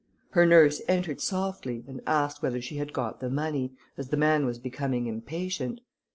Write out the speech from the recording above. Her nurse entered softly, and asked whether she had got the money, as the man was becoming impatient.